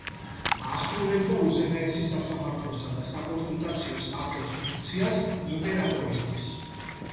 ასრულებდა უზენაესი სასამართლოსა და საკონსულტაციო საბჭოს ფუნქციას იმპერატორისთვის.